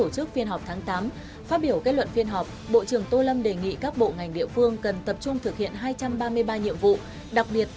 xin chào các bạn